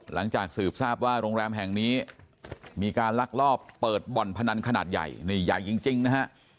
หลังจากสืบทราบว่าโรงแรมแห่งนี้มีการลักลอบเปิดบ่อนพนันขนาดใหญ่นี่ใหญ่จริงนะฮะ